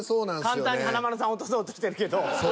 簡単に華丸さん落とそうとしてるけど。